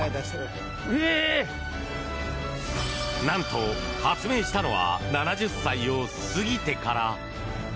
なんと、発明したのは７０歳を過ぎてから。